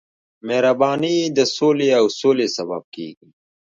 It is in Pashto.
مهرباني د سولې او سولې سبب کېږي.